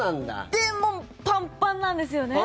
でもパンパンなんですよね。